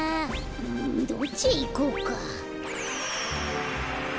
うんどっちへいこうか？